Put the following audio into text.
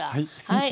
はい。